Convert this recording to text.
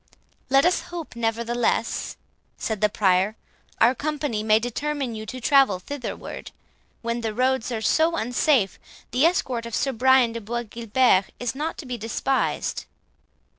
"Let us hope, nevertheless," said the Prior, "our company may determine you to travel thitherward; when the roads are so unsafe, the escort of Sir Brian de Bois Guilbert is not to be despised."